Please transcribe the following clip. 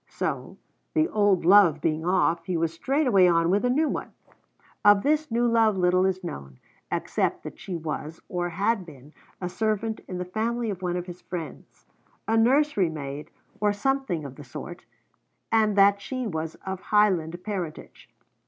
So, the old love being off, he was straightway on with a new one. Of this new love little is known, except that she was, or had been, a servant in the family of one of his friends, a nurserymaid or something of the sort, and that she was of Highland parentage.